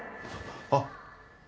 あっ！